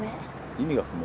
意味が不明？